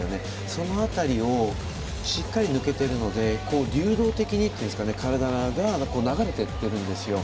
その辺りをしっかり抜けているので流動的に体が流れていってるんですよ。